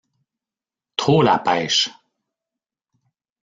Trop la pêche !